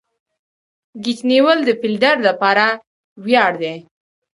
کېچ نیول د فیلډر له پاره ویاړ دئ.